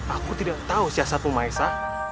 aku tidak tahu siasatmu maesa